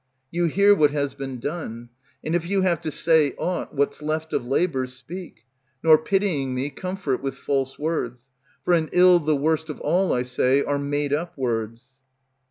You hear what has been done; and if you have to say aught, What's left of labors, speak; nor pitying me Comfort with false words; for an ill The worst of all, I say, are made up words.